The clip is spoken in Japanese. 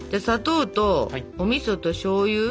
砂糖とおみそとしょうゆ。